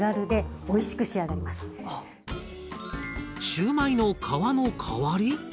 シューマイの皮の代わり？